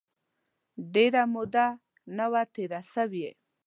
ډېره موده نه وه تېره سوې.